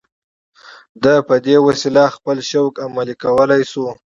ده په دې وسیله خپل شوق عملي کولای شو